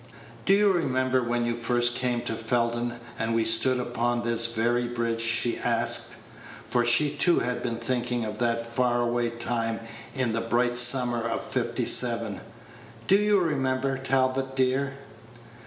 "Do you remember when you first came to Felden, and we stood upon this very bridge?" she asked; for she too had been thinking of that far away time in the bright September of '57. "Do you remember, Talbot, dear?"